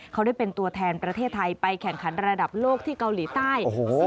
เขาได้เป็นตัวแทนประเทศไทยไปแข่งขันระดับโลกที่เกาหลีใต้